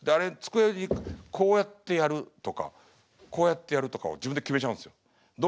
机にこうやってやるとかこうやってやるとかを自分で決めちゃうんですよ。